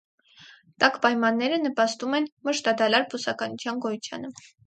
Տաք պայմանները նպաստում են մշտադալար բուսականության գոյությանը։